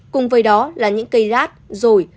cùng với đó là những cây rát dồi